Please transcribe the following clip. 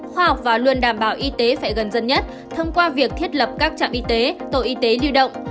khoa học và luôn đảm bảo y tế phải gần dân nhất thông qua việc thiết lập các trạm y tế tổ y tế lưu động